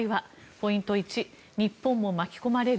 ポイント１日本も巻き込まれる？